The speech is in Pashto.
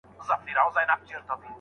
د علم ترلاسه کول هیڅکله نه منع کیږي.